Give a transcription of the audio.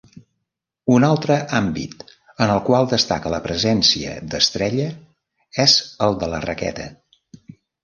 Un altre àmbit en el qual destaca la presència d'Estrella és el de la raqueta.